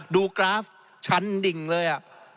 กราฟชั้นดิ่งเลย